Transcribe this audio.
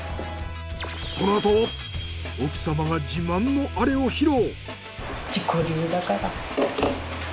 このあと奥様が自慢のアレを披露。